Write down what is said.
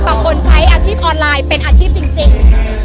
บางคนใช้อาชีพออนไลน์เป็นอาชีพจริง